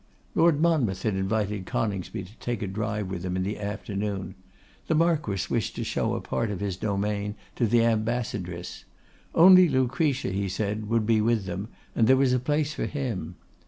Lord Monmouth had invited Coningsby to take a drive with him in the afternoon. The Marquess wished to show a part of his domain to the Ambassadress. Only Lucretia, he said, would be with them, and there was a place for him.